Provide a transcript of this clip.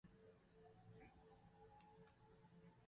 見たことがない別世界の植物